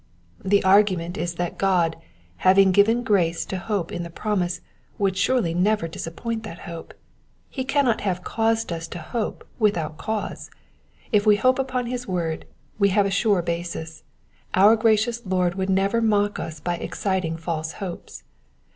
^^ The argument is that God, having given grace to hope in the promise, would surely never disappoint that hope. He cannot have caused us to hope without cause. If we hope upon his word we have a sure basis : our gracious Lord would never mock us by exciting false hopes.